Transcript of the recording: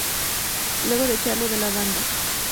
Luego de echarlo de la banda.